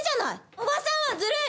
おばさんはずるい！